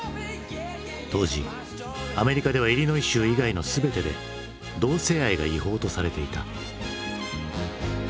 当時アメリカではイリノイ州以外の全てで同性愛が違法とされていた。